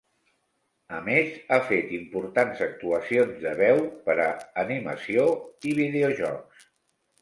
A més, ha fet importants actuacions de veu per a animació i videojocs.